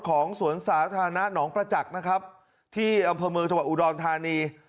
ของสวนสาธารณะหนองประจักษ์นะครับที่อำเภอเมืองจังหวัดอุดรธานี